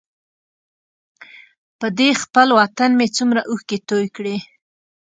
په دې خپل وطن مې څومره اوښکې توی کړې.